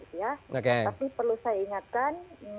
tapi perlu saya ingatkan